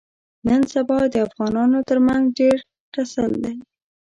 نن سبا د افغانانو ترمنځ ډېر ټسل دی.